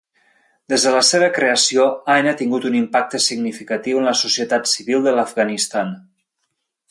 Des de la seva creació, Aina ha tingut un impacte significatiu en la societat civil de l'Afganistan.